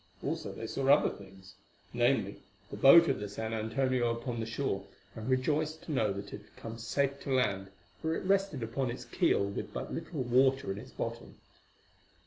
Also they saw other things—namely, the boat of the San Antonio upon the shore, and rejoiced to know that it had come safe to land, for it rested upon its keel with but little water in its bottom.